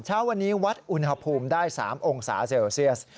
เช้าวันนี้วัดอุณหภูมิได้๓องศาเซลเซียส